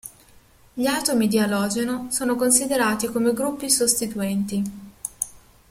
Gli atomi di alogeno sono considerati come gruppi sostituenti.